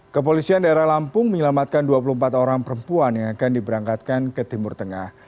kepolisian daerah lampung menyelamatkan dua puluh empat orang perempuan yang akan diberangkatkan ke timur tengah